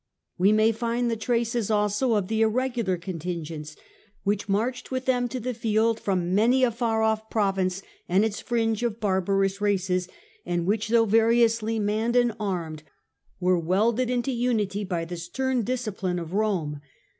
We may find the traces also of the irregular contingents which marched with them to the field from many a far off province and its fringe of barbarous races, and which though variously manned and armed were welded into unity by the stern discipline of Rome.